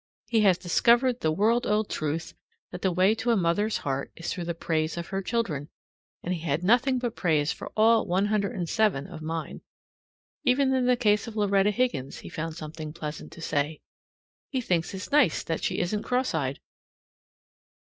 He has discovered the world old truth that the way to a mother's heart is through praise of her children, and he had nothing but praise for all 107 of mine. Even in the case of Loretta Higgins he found something pleasant to say. He thinks it nice that she isn't cross eyed.